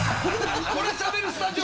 これしゃべるスタジオ